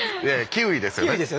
キウイですよねはい。